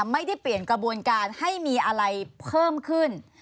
ไม่ได้เปลี่ยนกระบวนการให้มีอะไรเพิ่มขึ้น